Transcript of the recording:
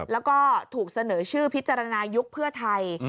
แล้วก็ถูกเสนอชื่อพิจารณายุคเพื่อไทย